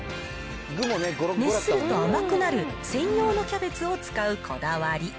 熱すると甘くなる専用のキャベツを使うこだわり。